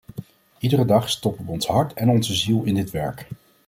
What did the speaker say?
Iedere dag stoppen we ons hart en onze ziel in dit werk.